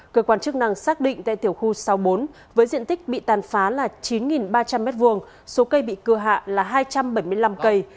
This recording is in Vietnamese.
cơ quan chức năng xác định tại tiểu khu sáu mươi bốn với diện tích bị tàn phá là chín ba trăm linh m hai số cây bị cưa hạ là hai trăm bảy mươi năm cây